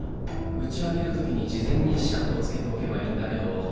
打ち上げる時に事前に磁石をつけておけばいいんだけど。